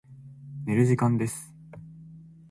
寝る時間です。